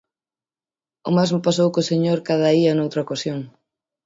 O mesmo pasou co señor Cadaía noutra ocasión.